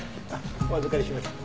お預かりしましょう。